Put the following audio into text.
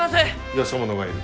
よそ者がいる。